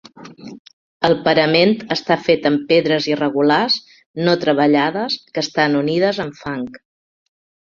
El parament està fet amb pedres irregulars no treballades que estan unides amb fang.